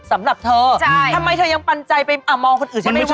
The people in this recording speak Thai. สำหรับเธอทำไมเธอยังปันใจไปมองคนอื่นใช่ไหมคะ